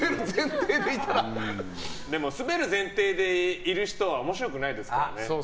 でも、スベる前提でいる人は面白くないですからね。